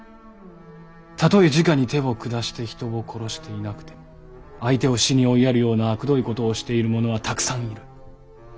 たとえじかに手を下して人を殺していなくても相手を死に追いやるようなあくどい事をしている者はたくさんいる。